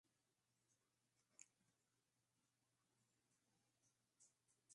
Ligado a los intereses del Vaticano, fue miembro de la Democracia Cristiana.